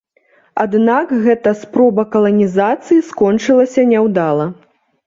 Аднак гэта спроба каланізацыі скончылася няўдала.